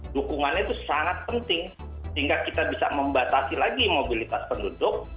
dukungannya itu sangat penting sehingga kita bisa membatasi lagi mobilitas penduduk